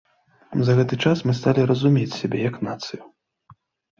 За гэты час мы сталі разумець сябе як нацыю.